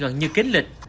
gần như kín lịch